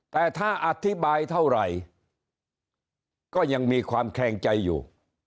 แต่ถ้าอธิบายเท่าไหร่ก็ยังมีความแคลงใจอยู่